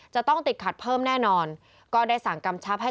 จะต้องติดขัดเพิ่มแน่นอนก็ได้สั่งกำชับให้